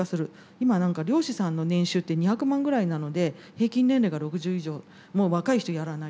今何か漁師さんの年収って２００万ぐらいなので平均年齢が６０以上もう若い人やらないと。